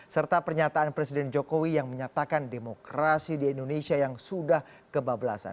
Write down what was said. serta pernyataan presiden jokowi yang menyatakan demokrasi di indonesia yang sudah kebablasan